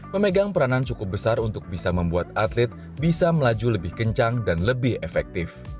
memegang peranan cukup besar untuk bisa membuat atlet bisa melaju lebih kencang dan lebih efektif